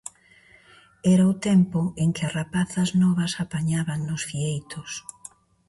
Era o tempo en que as rapazas novas apañaban nos fieitos.